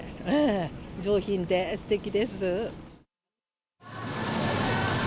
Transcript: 上品ですてきです。